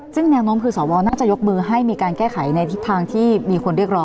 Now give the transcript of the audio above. ซึ่งแมงนมพฤษวรน่าจะยกมือให้มีการแก้ไขในทางที่มีคนเรียกร้อง